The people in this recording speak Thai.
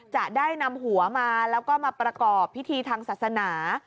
จะได้นำหัวมาแล้วก็มาประกอบพิธีทางศาสนา